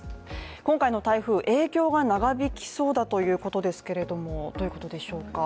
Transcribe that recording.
今回の台風、影響が長引きそうだということですけれどもどういうことでしょうか？